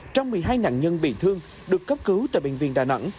trong một mươi hai nạn nhân bị thương được cấp cứu tại bệnh viện đà nẵng